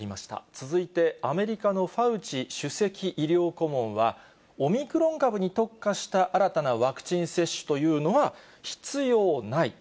続いて、アメリカのファウチ首席医療顧問は、オミクロン株に特化した新たなワクチン接種というのは、必要ない。